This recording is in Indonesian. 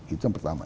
itu yang pertama